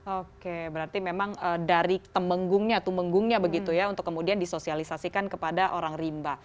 oke berarti memang dari temenggungnya tumenggungnya begitu ya untuk kemudian disosialisasikan kepada orang rimba